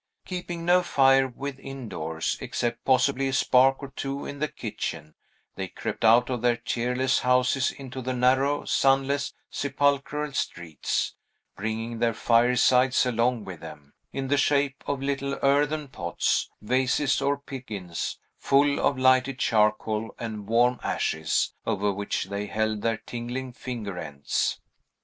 Keeping no fire within doors, except possibly a spark or two in the kitchen, they crept out of their cheerless houses into the narrow, sunless, sepulchral streets, bringing their firesides along with them, in the shape of little earthen pots, vases, or pipkins, full of lighted charcoal and warm ashes, over which they held their tingling finger ends.